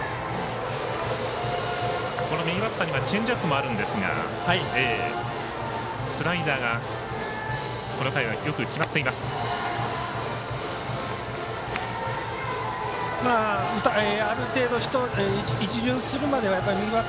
右バッターにはチェンジアップもあるんですがスライダーがこの回はよく決まっています。